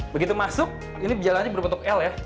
begitu masuk ini jalannya berbentuk l ya